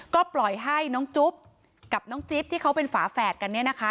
ก็ปล่อยให้น้องจุ๊บกับน้องจิ๊บที่เขาเป็นฝาแฝดกันเนี่ยนะคะ